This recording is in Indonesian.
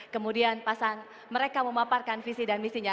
kemudian mereka memaparkan visi dan misinya